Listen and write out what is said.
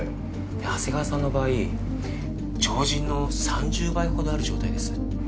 長谷川さんの場合常人の３０倍ほどある状態です。